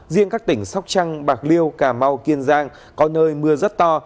riêng các tỉnh sóc trăng bạc liêu cà mau kiên giang có nơi mưa rất to